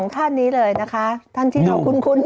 ๒ท่านนี้เลยนะคะท่านที่เราคุ้นอยู่